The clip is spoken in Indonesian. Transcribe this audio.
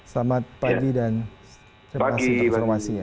selamat pagi dan terima kasih untuk informasinya